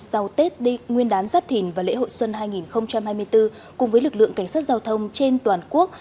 sau tết nguyên đán giáp thìn và lễ hội xuân hai nghìn hai mươi bốn cùng với lực lượng cảnh sát giao thông trên toàn quốc